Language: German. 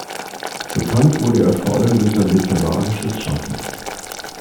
Bekannt wurde er vor allem durch sein literarisches Schaffen.